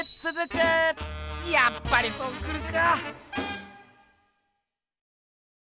やっぱりそうくるか。